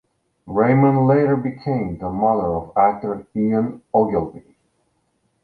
Raymond later became the mother of actor Ian Ogilvy.